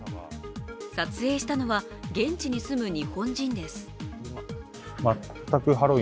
撮影したのは現地に住む日本人です。